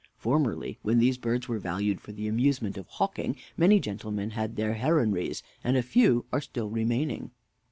Formerly, when these birds were valued for the amusement of hawking, many gentlemen had their heronries, and a few are still remaining.